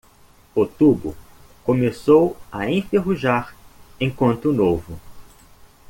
O tubo começou a enferrujar enquanto novo.